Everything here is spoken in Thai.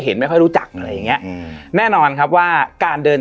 ไม่ค่อยรู้จักอะไรอย่างเงี้ยอืมแน่นอนครับว่าการเดิน